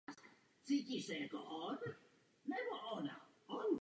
Na trati je provozována především nákladní doprava železné rudy.